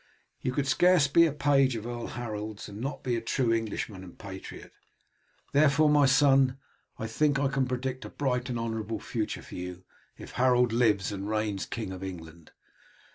You could scarce be a page of Earl Harold's and not be a true Englishman and patriot; therefore, my son, I think that I can predict a bright and honourable future for you if Harold lives and reigns King of England.